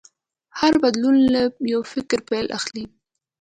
هر بدلون له یو فکر پیل اخلي.